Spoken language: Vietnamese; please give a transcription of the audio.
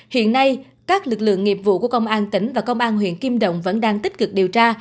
hiện nay các lực lượng nghiệp vụ của công an tỉnh và công an huyện kim động vẫn đang tích cực điều tra